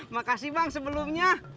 makasih bang sebelumnya